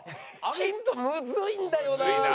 ヒントむずいんだよなあ。